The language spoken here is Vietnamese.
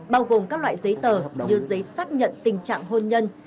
bao gồm các loại giấy tờ như giấy xác nhận tình trạng hôn nhân